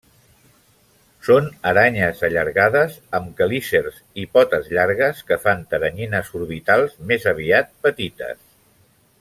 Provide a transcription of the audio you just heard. Són aranyes allargades amb quelícers i potes llargues, que fan teranyines orbitals més aviat petites.